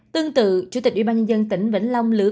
tương tự chủ tịch ủy ban nhân dân tỉnh vĩnh long lưu